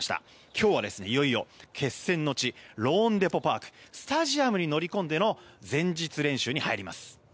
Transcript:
今日はいよいよ決戦の地、ローンデポ・パークスタジアムに乗り込んでの前日練習に入ります。